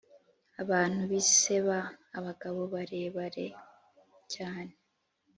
abantu b’i seba, abagabo barebare cyane,